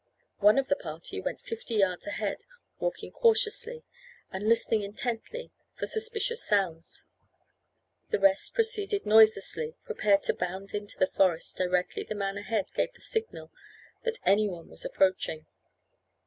One of the party went fifty yards ahead, walking cautiously, and listening intently for suspicious sounds; the rest proceeded noiselessly, prepared to bound into the forest directly the man ahead gave the signal that any one was approaching.